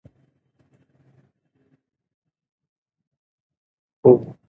که ویش وي نو کار نه درندیږي.